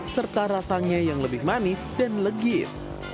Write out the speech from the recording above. serta rasanya yang lebih manis dan legit